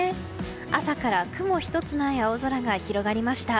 朝から雲１つない青空が広がりました。